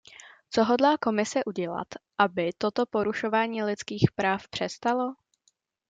Co hodlá Komise udělat, aby toto porušování lidských práv přestalo?